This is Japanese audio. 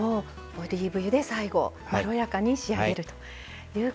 オリーブ油で最後まろやかに仕上げるということで。